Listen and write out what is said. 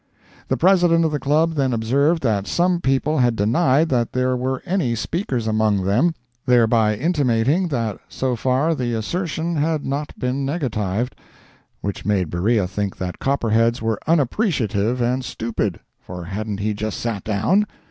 The President of the Club then observed that some people had denied that there were any speakers among them—thereby intimating that so far the assertion had not been negatived, which made Beriah think that Copperheads were unappreciative and stupid, for hadn't he just sat down?